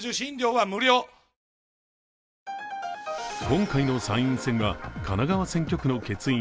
今回の参院選は神奈川選挙区の欠員